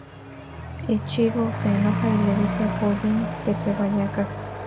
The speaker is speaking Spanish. Ichigo se enoja y le dice a Pudding que se vaya a casa.